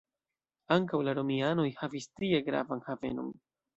Ankaŭ la romianoj havis tie gravan havenon.